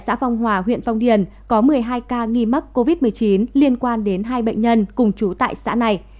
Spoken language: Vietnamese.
xã phong hòa huyện phong điền có một mươi hai ca nghi mắc covid một mươi chín liên quan đến hai bệnh nhân cùng chú tại xã này